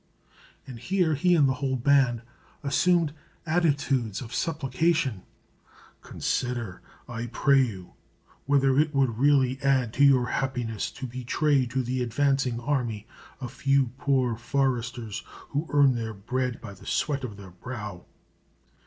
and here he and the whole band assumed attitudes of supplication, "consider, I pray you, whether it would really add to your happiness to betray to the advancing army a few poor foresters, who earn their bread by the sweat of their brow.